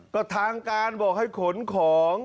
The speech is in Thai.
ก็ทางการบอกให้ขนของ